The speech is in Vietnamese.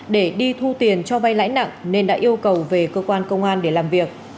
để đi thu tiền cho vay lãi nặng nên đã yêu cầu về cơ quan công an để làm việc